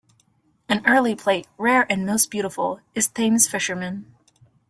An early plate, rare and most beautiful, is "Thames Fisherman".